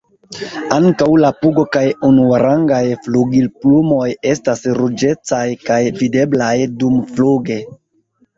Ankaŭ la pugo kaj unuarangaj flugilplumoj estas ruĝecaj kaj videblaj dumfluge.